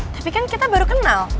tapi kan kita baru kenal